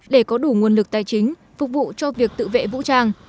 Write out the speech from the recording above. để có đủ nguồn lực tài chính phục vụ cho việc tự vệ vũ trang